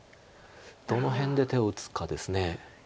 どの辺で手を打つかです。